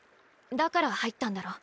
だから入ったんだろ？